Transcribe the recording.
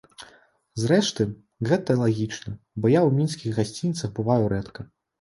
Зрэшты, гэта лагічна, бо я ў мінскіх гасцініцах бываю рэдка.